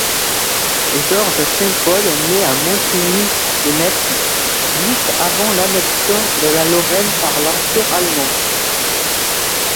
Georges Saint-Paul naît à Montigny-lès-Metz, juste avant l’annexion de la Lorraine par l'Empire allemand.